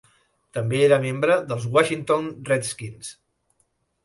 També era membre dels Washington Redskins.